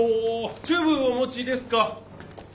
チューブお持ちですか？